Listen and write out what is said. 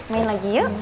main lagi yuk